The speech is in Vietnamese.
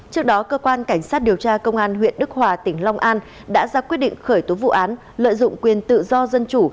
trước đó cơ quan cảnh sát điều tra công an tp long an đã ra quyết định khởi tố vụ án lợi dụng quyền tự do dân chủ